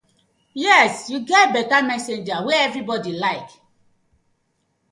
Yes yu get betta messenger wey everybodi like.